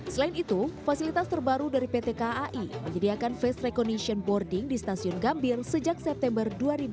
selain itu fasilitas terbaru dari pt kai menjadikan face recognition boarding di stasiun gambir sejak september dua ribu dua puluh tiga